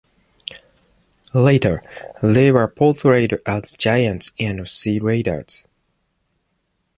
Later, they were portrayed as giants and sea raiders.